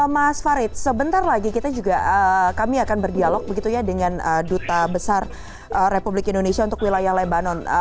mas farid sebentar lagi kita juga kami akan berdialog begitu ya dengan duta besar republik indonesia untuk wilayah lebanon